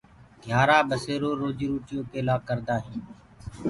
گھيآرآ ٻسيرو روجي روٽيو ڪي ڪري هينٚ۔